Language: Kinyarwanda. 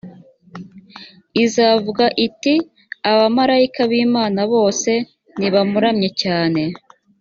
izavuga iti abamarayika b imana bose nibamuramye cyane